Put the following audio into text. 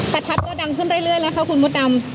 ประทัดก็ดังขึ้นเรื่อยแล้วค่ะคุณมดดำ